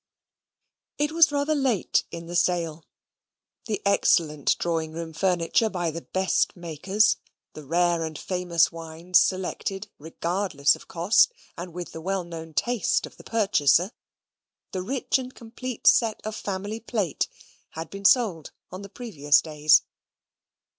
It was rather late in the sale. The excellent drawing room furniture by the best makers; the rare and famous wines selected, regardless of cost, and with the well known taste of the purchaser; the rich and complete set of family plate had been sold on the previous days.